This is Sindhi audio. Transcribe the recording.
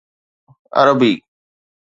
عربي